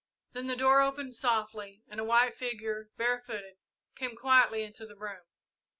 Then the door opened softly and a white figure, barefooted, came quietly into the room.